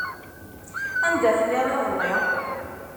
Anda telliḍ iḍelli?